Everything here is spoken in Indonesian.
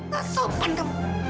gak sopan kamu